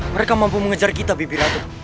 mereka mampu mengejar kita bibi ratu